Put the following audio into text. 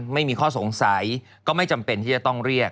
ไม่มีข้อสงสัยก็ไม่จำเป็นที่จะต้องเรียก